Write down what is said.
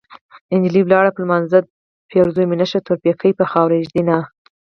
نجلۍ ولاړه په لمانځه ده پېرزو مې نشي تور پيکی په خاورو ږدينه